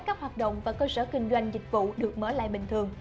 các hoạt động và cơ sở kinh doanh dịch vụ được mở lại bình thường